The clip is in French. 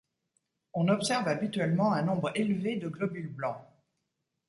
On observe habituellement un nombre élevé de globules blancs.